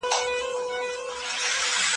مبارزه